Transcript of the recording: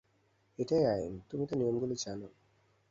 এটাই আইন, তুমিতো নিয়মগুলো জানো।